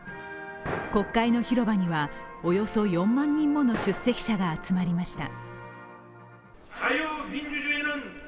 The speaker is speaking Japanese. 国会の広場にはおよそ４万人もの出席者が集まりました。